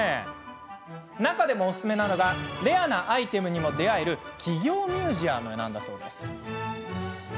中でも、おすすめなのがレアなアイテムにも出会える企業ミュージアムなんだそうです。